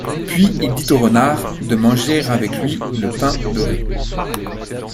Puis il dit au renard de manger avec lui le pain beurré.